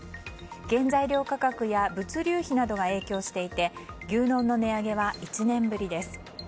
原材料価格や物流費などが影響していて牛丼の値上げは１年ぶりです。